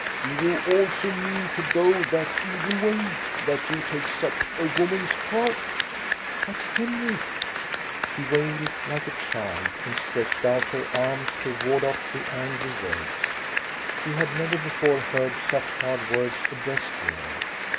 Do you also mean to go that evil way, that you take such a woman's part?" "But, Henrik —" She wailed like a child, and stretched out her arms to ward off the angry 'words. She had never before heard such hard words addressed to her.